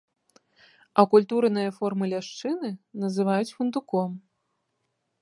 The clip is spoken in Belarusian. Акультураныя формы ляшчыны называюць фундуком.